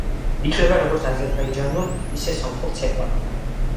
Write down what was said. ითვლება როგორც აზერბაიჯანულ, ისე სომხურ ცეკვად.